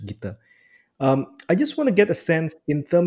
saya ingin mendapatkan perhatian